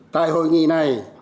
tại hội nghị này